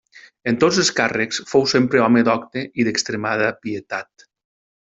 En tots els càrrecs fou sempre home docte i d'extremada pietat.